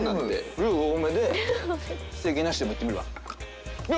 ルー多めでステーキなしでもいってみるわ。